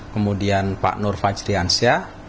kemudian pak nur fajriansyah